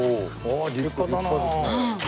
結構立派ですね。